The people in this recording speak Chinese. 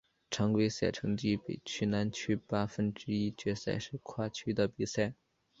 常规赛成绩北区南区八分之一决赛是跨区的比赛。